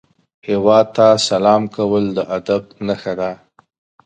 هیواد ته سلام کول د ادب نښه ده